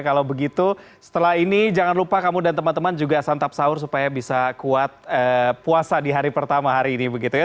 kalau begitu setelah ini jangan lupa kamu dan teman teman juga santap sahur supaya bisa kuat puasa di hari pertama hari ini begitu ya